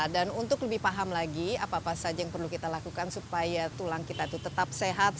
dan untuk lebih paham lagi apa apa saja yang perlu kita lakukan supaya tulang kita itu tetap sehat